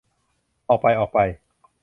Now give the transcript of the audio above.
ออกไป ! ออกไป !